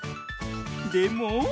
でも。